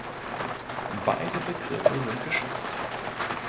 Beide Begriffe sind geschützt.